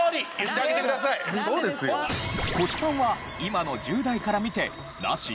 腰パンは今の１０代から見てナシ？